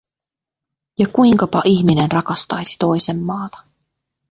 Ja kuinkapa ihminen rakastaisi toisen maata.